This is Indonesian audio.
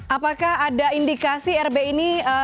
apakah ada indikasi rb ini